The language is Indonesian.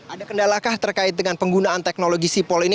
ada kendalakah terkait dengan penggunaan teknologi sipol ini